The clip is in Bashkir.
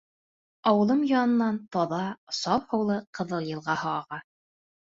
Ауылым янынан таҙа, саф һыулы Ҡыҙыл йылғаһы аға.